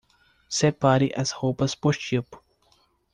Separe as roupas por tipo.